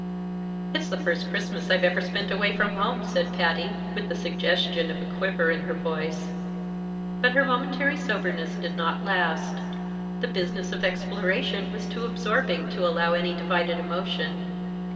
"It's the first Christmas I've ever spent away from home," said Patty, with the suggestion of a quiver in her voice. But her momentary soberness did not last; the business of exploration was too absorbing to allow any divided emotion.